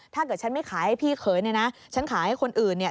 ถ้าเกิดฉันไม่ขายให้พี่เขยเนี่ยนะฉันขายให้คนอื่นเนี่ย